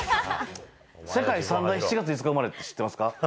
世界３大７月５日生まれって知ってますか？